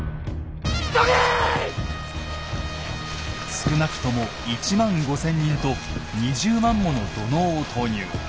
少なくとも１万５，０００人と２０万もの土のうを投入。